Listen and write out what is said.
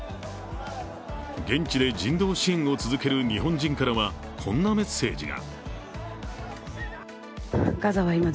現地で人道支援を続ける日本人からはこんなメッセージが。